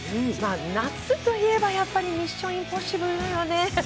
夏といえばやっぱり「ミッション：インポッシブル」よね